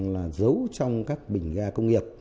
là giấu trong các bình ga công nghiệp